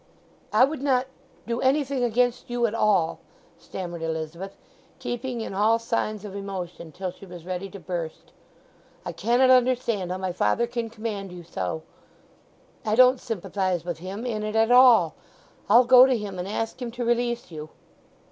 "I would not—do anything against you at all!" stammered Elizabeth, keeping in all signs of emotion till she was ready to burst. "I cannot understand how my father can command you so; I don't sympathize with him in it at all. I'll go to him and ask him to release you."